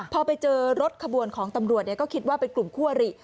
พอไปเจอรถขบวนของตำรวจก็คิดว่าเป็นกลุ่มคั่วหรี่